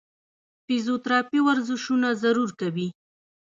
فزيوتراپي ورزشونه ضرور کوي -